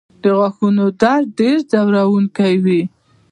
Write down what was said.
د غاښونو درد ډېر ځورونکی وي.